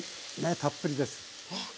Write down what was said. たっぷりです。